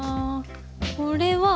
これは？